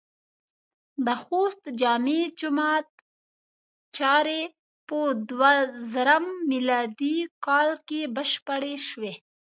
د خوست د جامع جماعت چارې په دوهزرم م کال کې بشپړې شوې.